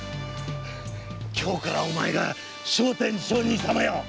今日からお前が聖天上人様よ！〕